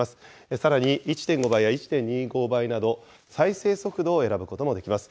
さらに１．５倍や１．２５倍など、再生速度を選ぶこともできます。